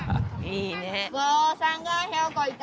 いいね。